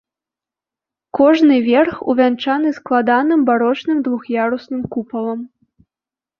Кожны верх увянчаны складаным барочным двух'ярусным купалам.